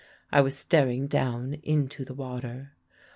I was staring down into the water.